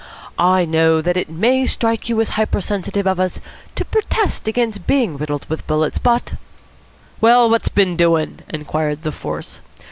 I know that it may strike you as hypersensitive of us to protest against being riddled with bullets, but " "Well, what's bin doin'?" inquired the Force.